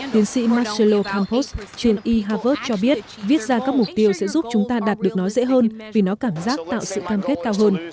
tiến sĩ marcelo campos trên e harvard cho biết viết ra các mục tiêu sẽ giúp chúng ta đạt được nó dễ hơn vì nó cảm giác tạo sự tham khét cao hơn